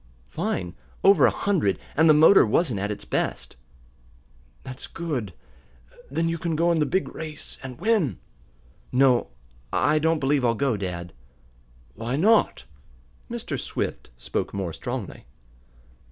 "Fine. Over a hundred, and the motor wasn't at its best." "That's good. Then you can go in the big race, and win." "No, I don't believe I'll go, dad." "Why not?" Mr. Swift spoke more strongly.